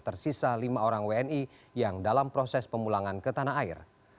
tersisa lima orang wni yang dalam proses pemulangan ke tanah air